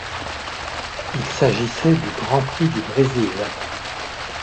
Il s'agissait du Grand Prix du Brésil.